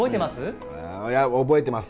覚えてます？